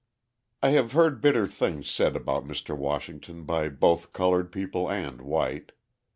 I have heard bitter things said about Mr. Washington by both coloured people and white.